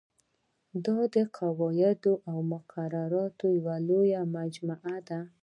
دا د قواعدو او مقرراتو یوه لویه مجموعه ده.